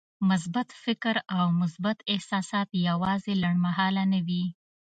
مثبت فکر او مثبت احساسات يوازې لنډمهاله نه وي.